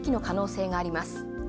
可能性があります。